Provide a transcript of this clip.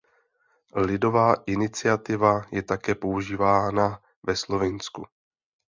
Lidová iniciativa je také používána ve Slovinsku.